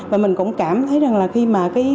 và mình cũng cảm thấy là khi mà